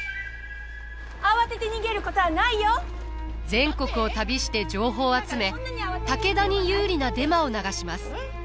全国を旅して情報を集め武田に有利なデマを流します。